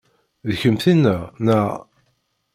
D kemm tinna, neɣ?